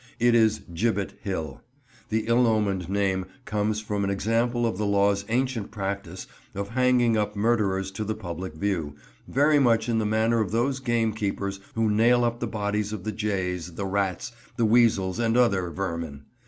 It is "Gibbet Hill." The ill omened name comes from an example of the law's ancient practice of hanging up murderers to the public view, very much in the manner of those gamekeepers who nail up the bodies of the jays, the rats, the weasels and other "vermin."